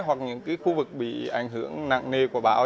hoặc những khu vực bị ảnh hưởng nặng nề của bão